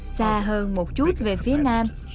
xa hơn một chút về phía nam